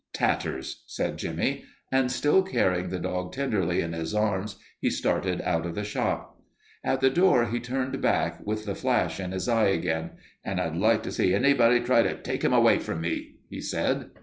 "Tatters," said Jimmie, and still carrying the dog tenderly in his arms, he started out of the shop. At the door he turned back, with the flash in his eye again. "And I'd like to see anybody try to take him away from me," he said.